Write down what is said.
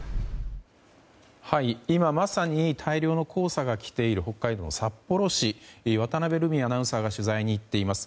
今まさに大量の黄砂が来ている北海道の札幌市渡辺瑠海アナウンサーが取材に行っています。